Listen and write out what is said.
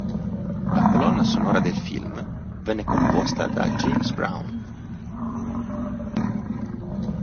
La colonna sonora del film venne composta da James Brown.